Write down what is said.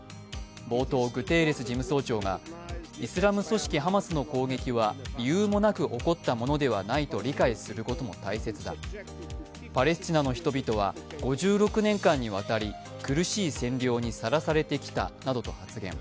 冒頭、グテーレス事務総長がイスラム組織ハマスの攻撃は理由もなく起こったものではないと理解することも大切だ、パレスチナの人々は５６年間にわたり苦しい占領にさらされてきたなどと発言。